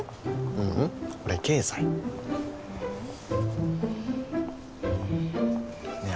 ううん俺経済ふんねえ